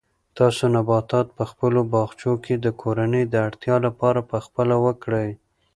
تاسو نباتات په خپلو باغچو کې د کورنۍ د اړتیا لپاره په خپله وکرئ.